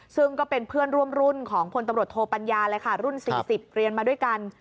ซึ่งก็เป็นเพื่อนร่วมรุ่นของพลตำรวจโทปัญญาเลยค่ะรุ่น๔๐เรียนมาด้วยกัน